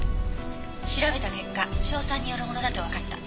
「調べた結果硝酸によるものだとわかった」